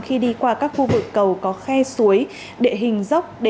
khi đi qua các khu vực cầu có khe suối địa hình dốc